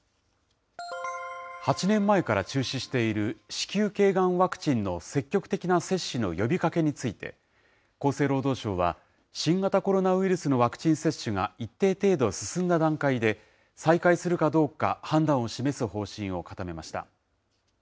８年前から中止している子宮けいがんワクチンの積極的な接種の呼びかけについて、厚生労働省は、新型コロナウイルスのワクチン接種が一定程度進んだ段階で、再開するかどうか判断を示す方針を固めました。